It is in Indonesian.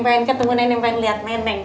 pengen ketemu neneng pengen liat neneng